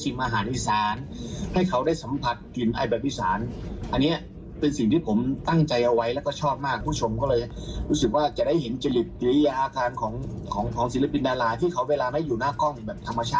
ใช่ใช่ได้แต่พี่เขาถือว่าพี่ยังมือใหม่อยู่น่ะ